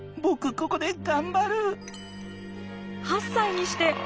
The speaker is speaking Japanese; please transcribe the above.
ここで頑張る。